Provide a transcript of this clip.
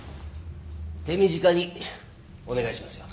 手短にお願いしますよ。